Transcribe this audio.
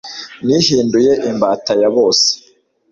nihinduye imbata ya bose.»